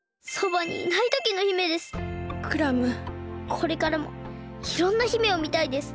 これからもいろんな姫をみたいです。